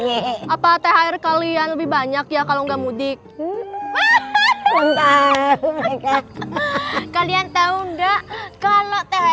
juga apa apa teher kalian lebih banyak ya kalau nggak mudik kalian tahu nggak kalau